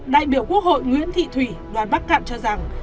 đại biểu quốc hội nguyễn thị thủy đoàn bắc cạn cho rằng